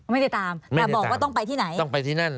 ไม่ได้ตามแต่บอกว่าต้องไปที่ไหนต้องไปที่นั่น